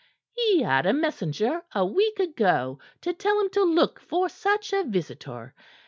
He had a messenger a week ago to tell him to look for such a visitor.